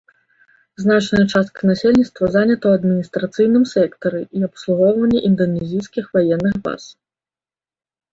Значная частка насельніцтва занята ў адміністрацыйным сектары і абслугоўванні інданезійскіх ваенных баз.